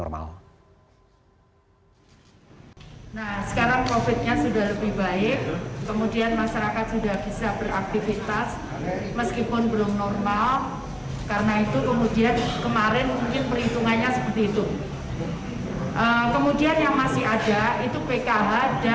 masyarakat sudah siap beraktivitas meskipun belum kembali normal